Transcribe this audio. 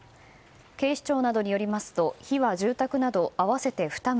警視庁などによりますと火は住宅など合わせて２棟